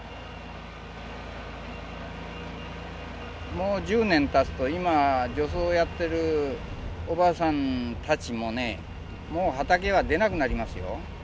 もう１０年たつと今除草をやってるおばあさんたちもねもう畑へは出なくなりますよ。